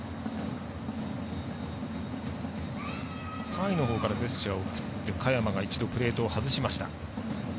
甲斐のほうからジェスチャーを送って嘉弥真が一度プレートを外しました。